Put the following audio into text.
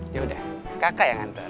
yaudah kakak yang antar